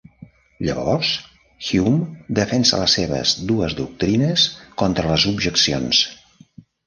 Llavors, Hume defensa les seves dues doctrines contra les objeccions.